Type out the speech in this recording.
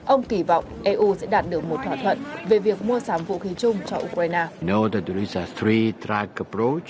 ông kỳ vọng eu sẽ đạt được một thỏa thuận về việc mua sắm vũ khí chung cho ukraine